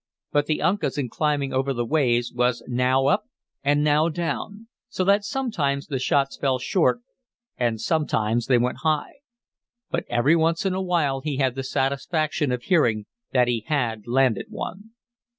But the Uncas in climbing over the waves was now up and now down, so that sometimes the shots fell short and sometimes they went high. But every once in a while he had the satisfaction of hearing that he had landed one.